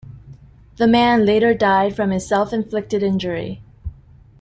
The man later died from his self-inflicted injury.